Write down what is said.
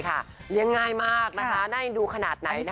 เลี้ยงง่ายมากนะคะน่าไม่น่าจะดูขนาดไหนนะ